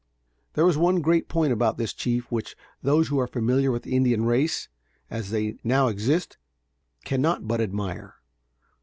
There is one great point about this chief which those who are familiar with the Indian race, as they now exist, cannot but admire.